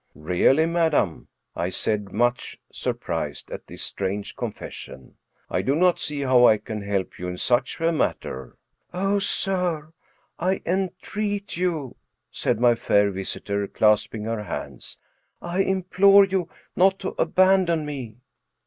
" Really, madam," I said, much surprised at this strange confession, " I do not see how I can help you in such a matter." 211 Trm Stories of Modern Magic " Oh, sir, I entreat you/* said my fair visitor, clasping her hands —'' I implore you not to abandon me